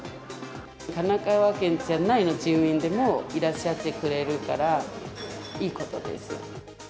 神奈川県じゃない住民でもいらっしゃってくれるから、いいことです。